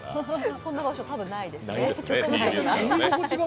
そんな場所多分ないですね。